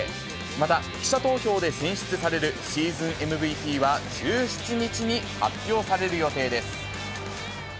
また、記者投票で選出されるシーズンＭＶＰは１７日に発表される予定です。